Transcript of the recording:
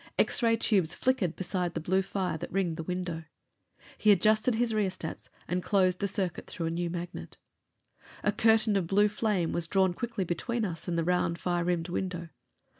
X ray tubes flickered beside the blue fire that ringed the window. He adjusted his rheostats and closed the circuit through the new magnet. A curtain of blue flame was drawn quickly between us and the round, fire rimmed window.